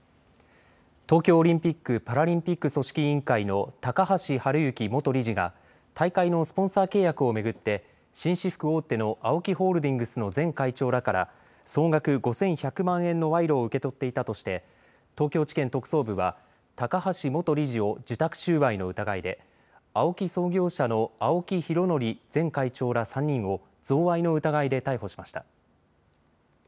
東京オリンピック・パラリンピック組織委員会の高橋治之元理事が大会のスポンサー契約を巡って紳士服大手のＡＯＫＩホールディングスの前会長らから総額５１００万円の賄賂を受け取っていたとして東京地検特捜部は高橋元理事を受託収賄の疑いで、ＡＯＫＩ創業者の青木拡憲前会長ら３人を贈賄の疑いで逮捕しました。